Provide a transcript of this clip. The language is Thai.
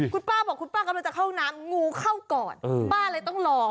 คุณป้าบอกคุณป้ากำลังจะเข้าน้ำงูเข้าก่อนป้าเลยต้องรอ